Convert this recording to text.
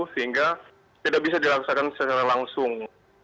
sehingga tidak bisa dilaksanakan secara langsung